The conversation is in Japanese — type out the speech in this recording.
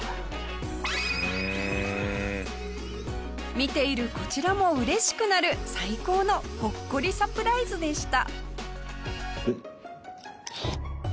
見ているこちらも嬉しくなる最高のほっこりサプライズでした。